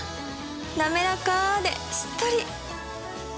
なめらかでしっとり！